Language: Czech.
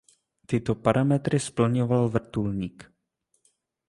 Tyto parametry splňoval vrtulník.